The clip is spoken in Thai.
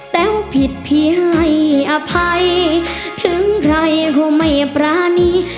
แต้วผิดพี่ให้อภัยถึงใครคงไม่ปรานี